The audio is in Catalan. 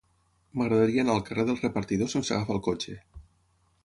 M'agradaria anar al carrer del Repartidor sense agafar el cotxe.